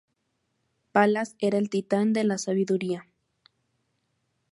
Palas era el titán de la sabiduría.